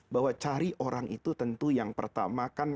bahwa cari orang itu tentu yang pertama kan